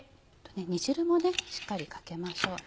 煮汁もしっかりかけましょう。